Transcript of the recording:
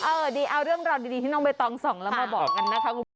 เออดีเอาเรื่องราวดีที่น้องเบตองส่องแล้วมาบอกกันนะคะ